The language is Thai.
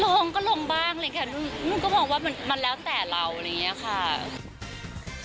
ลงก็ลงบ้างเลยค่ะนุ่นก็มองว่ามันแล้วแต่เราอะไรอย่างนี้ค่ะ